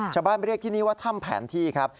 ชาวบ้านเรียกที่นี่ว่าถ้ำแผนที่ครับ